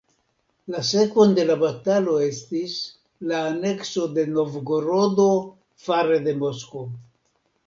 La sekvon de la batalo estis la anekso de Novgorodo fare de Moskvo.